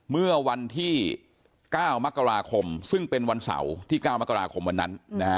เมื่อวันที่๙มกราคมซึ่งเป็นวันเสาร์ที่๙มกราคมวันนั้น